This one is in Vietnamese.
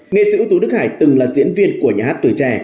nghệ sĩ tú đức hải từng là diễn viên của nhà hát tuổi trẻ